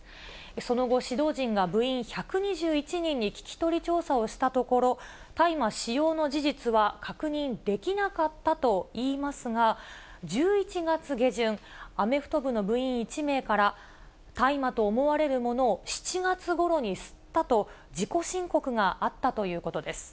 その後、指導陣が部員１２１人に聞き取り調査をしたところ、大麻使用の事実は確認できなかったといいますが、１１月下旬、アメフト部員１名から、大麻と思われるものを７月ごろに吸ったと、自己申告があったということです。